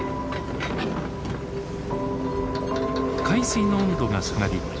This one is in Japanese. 海水の温度が下がり